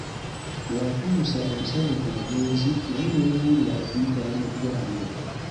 Watuusa ebisago ku mugenzi naye n'oyanguwa okumutwala mu ddwaliro.